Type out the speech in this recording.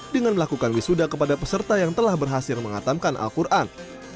dengan melakukan wisuda kepada peserta yang telah berhasil menghatamkan al quran